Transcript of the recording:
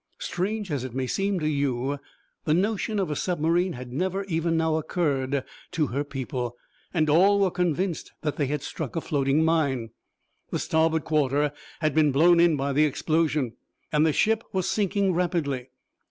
Strange as it may seem to you, the notion of a submarine had never even now occurred to her people, and all were convinced that they had struck a floating mine. The starboard quarter had been blown in by the explosion, and the ship was sinking rapidly.